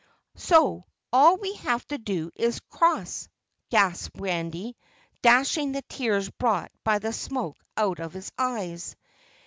"So, all we have to do is cross," gasped Randy, dashing the tears brought by the smoke out of his eyes.